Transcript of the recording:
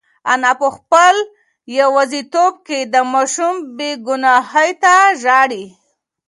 انا په خپل یوازیتوب کې د ماشوم بېګناهۍ ته ژاړي.